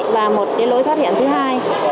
và một lối thoát hiểm thứ hai